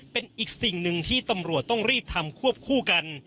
เป็นอีกสิ่งหนึ่งที่ตำรวจต้องรีบทำควบคู่กัน